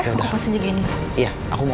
iya udah aku pusing aja gini ya aku mau